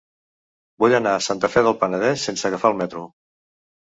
Vull anar a Santa Fe del Penedès sense agafar el metro.